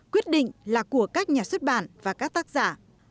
quyết định là của các nhà xuất bản và các tác giả